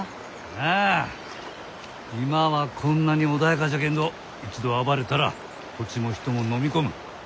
ああ今はこんなに穏やかじゃけんど一度暴れたら土地も人ものみ込む。